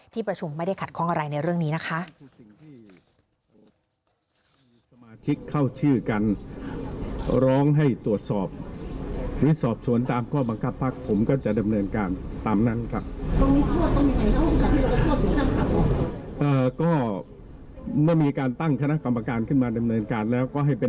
ประชุมไม่ได้ขัดข้องอะไรในเรื่องนี้นะคะ